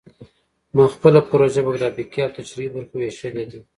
ما خپله پروژه په ګرافیکي او تشریحي برخو ویشلې ده